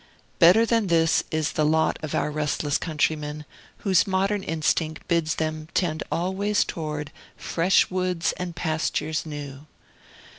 Better than this is the lot of our restless countrymen, whose modern instinct bids them tend always towards "fresh woods and pastures new."